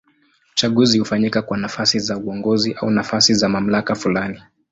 Uchaguzi hufanyika kwa nafasi za uongozi au nafasi za mamlaka fulani.